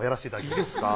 いいですか？